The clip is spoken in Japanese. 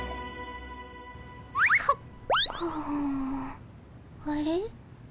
はっ！ああ。